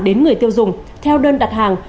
đến người tiêu dùng theo đơn đặt hàng